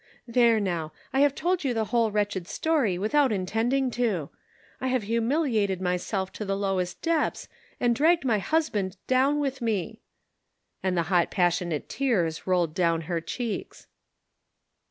There now ! I have told you the whole wretched story, without intending to ; I have humiliated myself to the lowest depths, and dragged my husband down with me ;" and the hot passionate tears rolled down her cheeks.